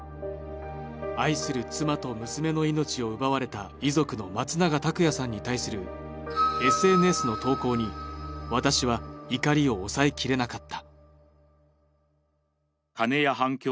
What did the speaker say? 愛する妻と娘の命を奪われた遺族の松永拓也さんに対するＳＮＳの投稿に私は怒りを抑えきれなかった。